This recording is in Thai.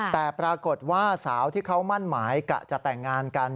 แต่ปรากฏว่าสาวที่เขามั่นหมายกะจะแต่งงานกัน